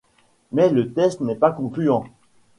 Mais le test n'est pas concluant.